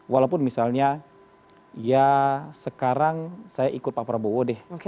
walaupun misalnya ya sekarang saya ikut pak prabowo deh